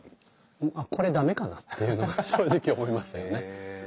あっこれ駄目かなっていうのは正直思いましたよね。